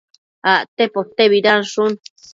acte potebidanshun